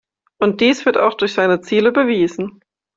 Und dies wird auch durch seine Ziele bewiesen.